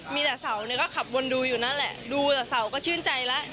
มีแต่เสาเนี่ยก็ขับวนดูอยู่นั่นแหละดูแต่เสาก็ชื่นใจแล้ว